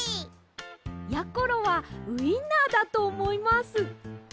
やころはウインナーだとおもいます。